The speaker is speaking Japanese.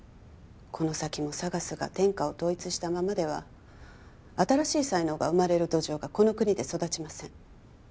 この先もＳＡＧＡＳが天下を統一したままでは新しい才能が生まれる土壌がこの国で育ちません